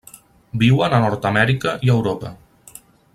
Viuen a Nord-amèrica i Europa.